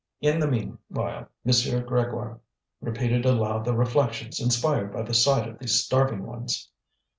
In the meanwhile, M. Grégoire repeated aloud the reflections inspired by the sight of these starving ones.